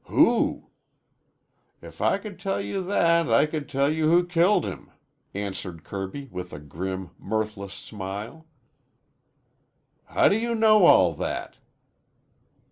"Who?" "If I could tell you that I could tell you who killed him," answered Kirby with a grim, mirthless smile. "How do you know all that?"